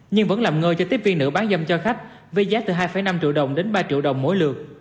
nhưng vẫn làm ngơ cho tiếp viên nữ bán dâm cho khách với giá từ hai năm triệu đồng đến ba triệu đồng mỗi lượt